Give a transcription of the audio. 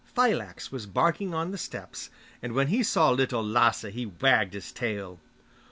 Fylax was barking on the steps, and when he saw Little Lasse he wagged his tail.